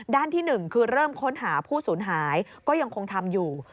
ที่๑คือเริ่มค้นหาผู้สูญหายก็ยังคงทำอยู่